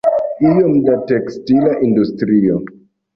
Iom da tekstila industrio.